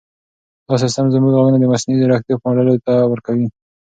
دا سیسټم زموږ ږغونه د مصنوعي ځیرکتیا ماډلونو ته ورکوي.